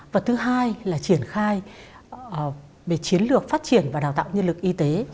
và thứ hai là triển khai về chiến lược phát triển và đào tạo nhân lực y tế